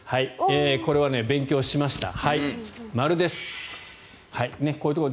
これは勉強しました。